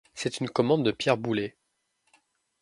C'est une commande de Pierre Boulez.